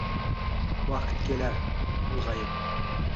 Vaqt kelar, ulg’ayib